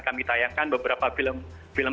kami tayangkan beberapa film